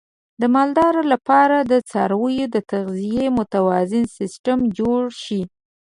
د مالدارۍ لپاره د څارویو د تغذیې متوازن سیستم جوړ شي.